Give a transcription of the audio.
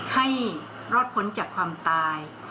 ให้รอดพ้นจากความตาย